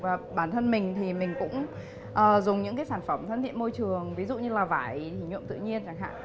và bản thân mình thì mình cũng dùng những cái sản phẩm thân thiện môi trường ví dụ như là vải nhuộm tự nhiên chẳng hạn